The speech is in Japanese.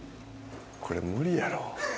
これ無理やろ。